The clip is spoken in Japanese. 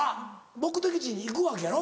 目的地に行くわけやろ？